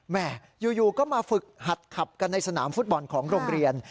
แม่อยู่ก็มาฝึกหัดขับกันในสนามฟุตบอลของโรงเรียน